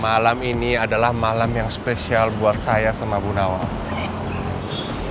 malam ini adalah malam yang spesial buat saya sama bu nawa